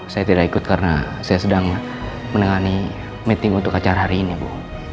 saya tidak ikut karena saya sedang menangani meeting untuk acara hari ini bu